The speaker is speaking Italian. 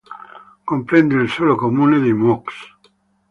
Comprende il solo comune di Meaux.